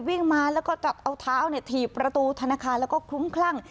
วิ่งมาแล้วก็จัดเอาเท้าถีบประตูธนาคารแล้วก็คลุ้มคลั่ง